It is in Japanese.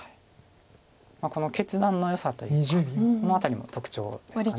この決断のよさというかこの辺りも特徴ですか。